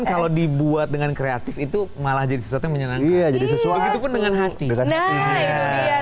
kalau dibuat dengan kreatif itu malah jadi sesuatu yang menyenangkan jadi sesuatu dengan hati walaupun sudah jadi remah remah ya